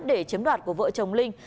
để chiếm đoạt của vợ chồng linh